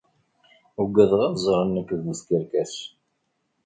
Ugadeɣ ad ẓren nekk d bu tkerkas.